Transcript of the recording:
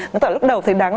nó tạo lúc đầu thấy đắng